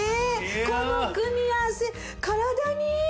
この組み合わせ体にいい！